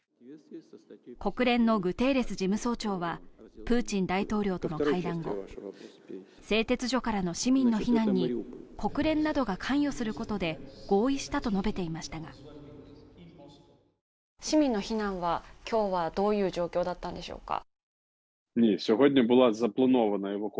国連のグテーレス事務総長は、プーチン大統領との会談後、製鉄所からの市民の避難に国連などが関与することに合意したと述べていましたが市民の避難が今日はどういう状況だったんでしょうか？